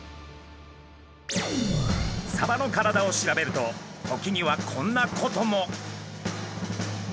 サバの体を調べると時にはこんなことも。